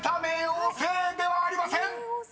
「冥王星」ではありません］